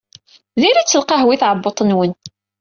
Diri-tt lqahwa i tɛebbuṭ-nwen.